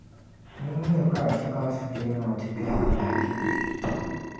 nyin’ miri ka a chɛ ka a sujee maa ti kpɛh’ a alahichi ni.